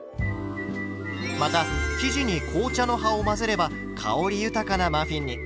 また生地に紅茶の葉を混ぜれば香り豊かなマフィンに。